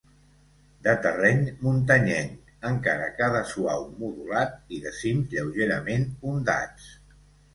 De terreny muntanyenc encara que de suau modulat i de cims lleugerament ondats.